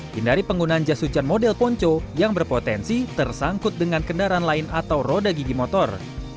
hindari penggunaan jas hujan model ponco yang berpotensi tersangkut dengan kendaraan lain atau roda gigi motor